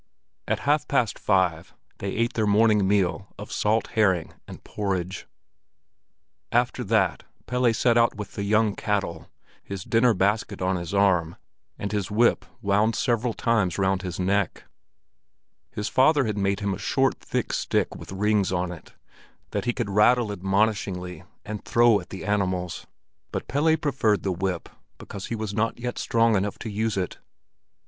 At half past five they ate their morning meal of salt herring and porridge. After that Pelle set out with the young cattle, his dinner basket on his arm, and his whip wound several times round his neck. His father had made him a short, thick stick with rings on it, that he could rattle admonishingly and throw at the animals; but Pelle preferred the whip, because he was not yet strong enough to use it.